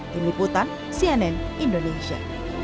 tim liputan cnn indonesia